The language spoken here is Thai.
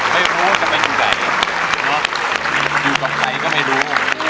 ไม่รู้ว่าจะไปอยู่ไหนอยู่ต่อไปก็ไม่รู้